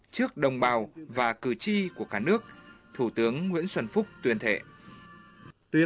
trước đồng bào và cử tri của cả nước thủ tướng nguyễn xuân phúc tuyên thệ